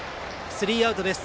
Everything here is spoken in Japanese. スリーアウトです。